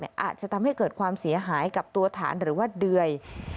อาจจะทำให้เกิดความเสียหายกับตัวฐานหรือว่าเดื่อย